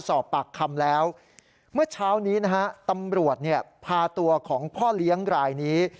สอบปากคำแล้วเมื่อเช้านี้นะฮะตำรวจเนี่ยพาตัวของพ่อเลี้ยงรายนี้